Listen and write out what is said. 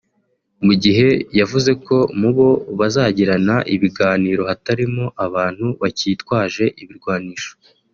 mugihe yavuze ko mu bo bazagirana ibiganiro hatarimo abantu bakitwaje ibirwanisho